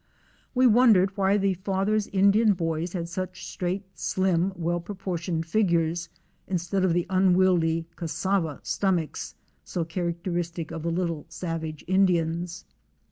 We wondered why the Father's Indian boys had such straight, slim, well proportioned figures, instead of the un wieldy "'cassava stomachs" so characteristic of the little savage Indians.